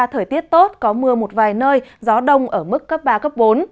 thời tiết tốt có mưa một vài nơi gió đông ở mức cấp ba cấp bốn